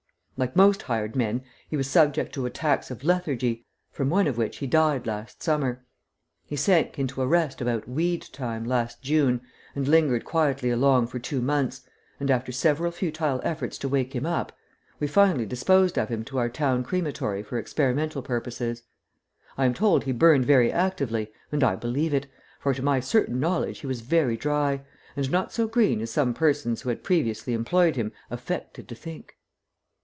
Like most hired men, he was subject to attacks of lethargy, from one of which he died last summer. He sank into a rest about weed time, last June, and lingered quietly along for two months, and after several futile efforts to wake him up, we finally disposed of him to our town crematory for experimental purposes. I am told he burned very actively, and I believe it, for to my certain knowledge he was very dry, and not so green as some persons who had previously employed him affected to think.